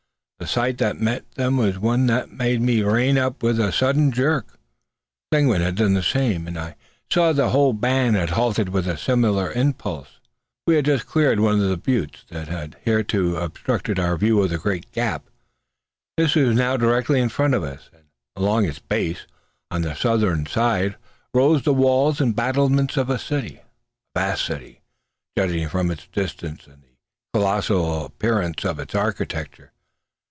The sight that met them was one that made me rein up with a sudden jerk. Seguin had done the same, and I saw that the whole band had halted with a similar impulse. We had just cleared one of the buttes that had hitherto obstructed our view of the great gap. This was now directly in front of us; and along its base, on the southern side, rose the walls and battlements of a city a vast city, judging from its distance and the colossal appearance of its architecture.